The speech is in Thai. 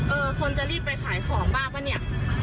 คนจะรีบไปขายของบ้างป่ะเนี่ย